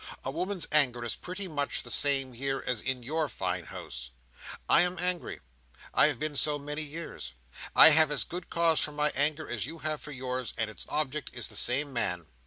A woman's anger is pretty much the same here, as in your fine house. I am angry. I have been so, many years. I have as good cause for my anger as you have for yours, and its object is the same man."